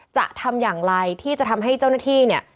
จะทำอย่างไรที่จะทำให้เจ้าหน้าที่เนี่ย